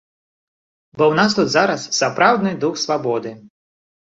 Бо ў нас тут зараз сапраўдны дух свабоды.